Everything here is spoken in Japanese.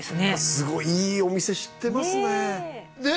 すごいいいお店知ってますねねえ